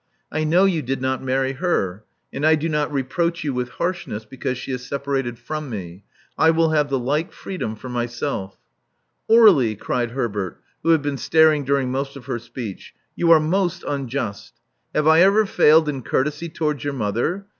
I know you did not marry her; and I do not reproach you with harshness because she is separated from me. I will have the like freedom for myself." Aur61ie," cried Herbert, who had been staring during most of her speech: you are most unjust. Have I ever failed in courtesy towards your mother?